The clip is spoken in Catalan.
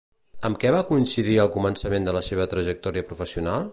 Amb què va coincidir el començament de la seva trajectòria professional?